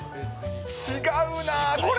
違うな、これ。